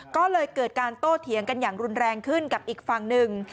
ก็เลยเกิดการโต้เถียงกันอย่างรุนแรงขึ้นกับอีกฝั่งหนึ่ง